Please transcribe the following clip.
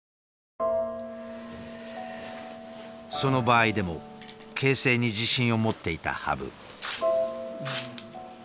その場合でも形勢に自信を持っていた羽生。